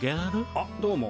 あっどうも。